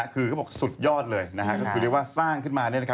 คือเขาบอกสุดยอดเลยเขาเรียกว่าสร้างขึ้นมานี่แหละครับ